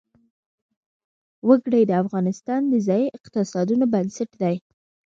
وګړي د افغانستان د ځایي اقتصادونو بنسټ دی.